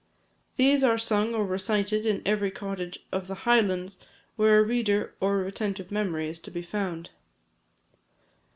These are sung or recited in every cottage of the Highlands where a reader or a retentive memory is to be found.